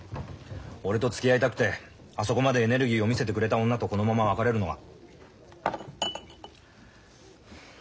俺とつきあいたくてあそこまでエネルギーを見せてくれた女とこのまま別れるのが。